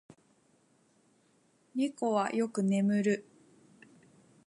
猫はよく眠る。